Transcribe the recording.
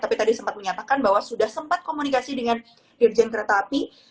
tapi tadi sempat menyatakan bahwa sudah sempat komunikasi dengan dirjen kereta api